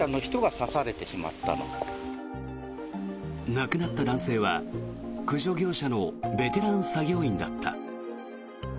亡くなった男性は、駆除業者のベテラン作業員だった。